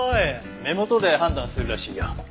目元で判断するらしいよ。